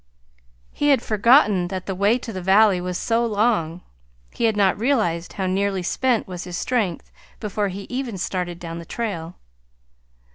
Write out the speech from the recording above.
He had forgotten that the way to the valley was so long; he had not realized how nearly spent was his strength before he even started down the trail.